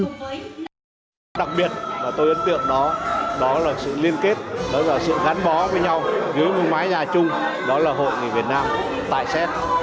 đặc biệt là tôi ấn tượng đó đó là sự liên kết đó là sự gắn bó với nhau dưới một mái nhà chung đó là hội người việt nam tại séc